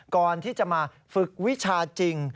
ก่อนที่จะมาฝึกวิชาจริง